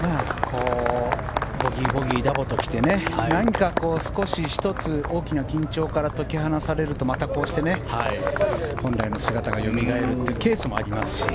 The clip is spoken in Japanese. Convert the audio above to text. ボギー、ボギーダボときて何か少し１つ大きな緊張から解き放されるとまたこうして本来の姿がよみがえるケースもありますし。